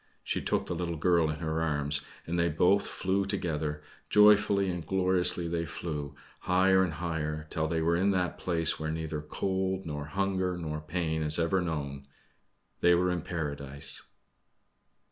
She took the little girl in her arms, and they both flew together joyfully and gloriously they flew higher and higher, till they were in that place where neither cold, nor hunger, nor pain is ever known they were in Paradise.